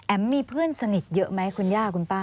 แอ๋มมีเพื่อนสนิทเยอะมั้ยคนย่าคุณป้า